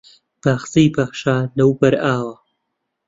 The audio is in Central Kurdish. باخچەی پاشا لەوبەر ئاوە